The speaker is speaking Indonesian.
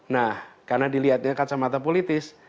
nah karena dilihatnya kacamata politis